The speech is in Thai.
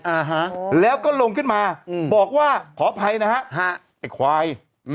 อ่าฮะแล้วก็ลงขึ้นมาอืมบอกว่าขออภัยนะฮะฮะไอ้ควาย